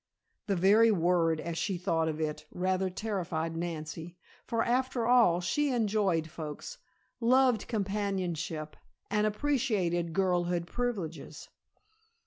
The very word as she thought of it, rather terrified Nancy, for, after all, she enjoyed folks, loved companionship and appreciated girlhood's privileges.